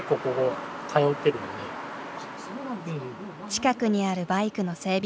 近くにあるバイクの整備